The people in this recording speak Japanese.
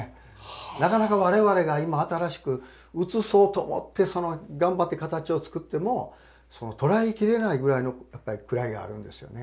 なかなか我々が今新しく写そうと思って頑張って形を作っても捉え切れないぐらいのやっぱり位があるんですよね。